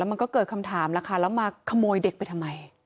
มันก็เกิดคำถามแล้วค่ะแล้วมาขโมยเด็กไปทำไม